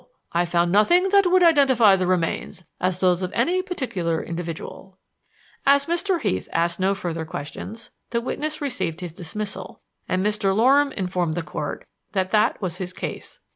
I found nothing that would identify the remains as those of any particular individual." As Mr. Heath asked no further questions, the witness received his dismissal, and Mr. Loram informed the Court that that was his case.